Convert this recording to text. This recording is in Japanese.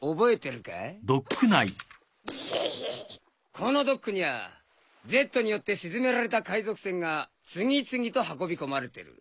このドックにはＺによって沈められた海賊船が次々と運びこまれてる。